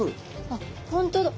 あっ本当だ！